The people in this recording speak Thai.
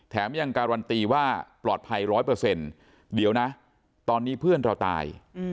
แถมยังการันตีว่าปลอดภัยร้อยเปอร์เซ็นต์เดี๋ยวนะตอนนี้เพื่อนเราตาย